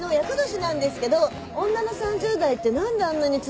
厄年なんですけど女の３０代って何であんなに続くんですかね？